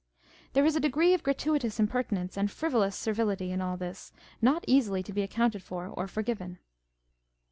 There is a degree of gratuitous impertinence and frivolous servility in all this not easily to be accounted for or forgiven.